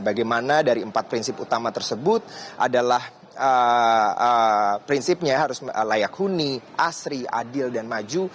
bagaimana dari empat prinsip utama tersebut adalah prinsipnya harus layak huni asri adil dan maju